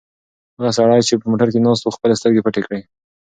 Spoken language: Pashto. هغه سړی چې په موټر کې ناست و خپلې سترګې پټې کړې.